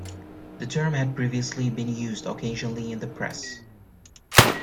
The term had previously been used occasionally in the press.